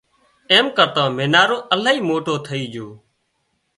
ايم ڪرتان مينارو الاهي موٽو ٿئي جھو